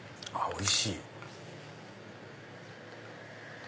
おいしい！